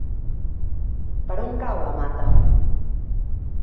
Per on cau la Mata?